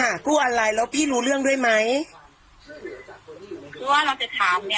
อ่ากู้อะไรแล้วพี่รู้เรื่องด้วยไหมก็ว่าเราจะถามเนี้ย